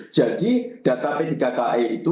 jadi data p tiga ke itu